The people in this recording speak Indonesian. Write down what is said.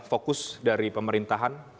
fokus dari pemerintahan